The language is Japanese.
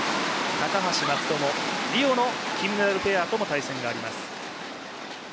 高橋・松友、リオの金メダルペアとも対戦があります。